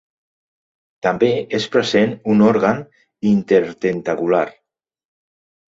També és present un òrgan intertentacular.